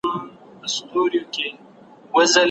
د غوا غوښه لږه وخورئ.